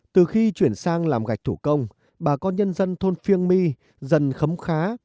từ khi chuyển sang làm gạch thủ công bà con nhân dân thôn phiêng my dần khấm khá